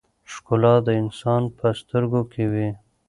ښکلا د انسان په سترګو کې وي.